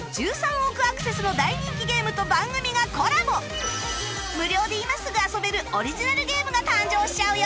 続いて無料で今すぐ遊べるオリジナルゲームが誕生しちゃうよ